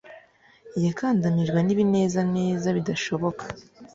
yakandamijwe n'ibinezeza bidashoboka